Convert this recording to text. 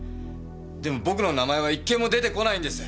でも僕の名前は１件も出てこないんです！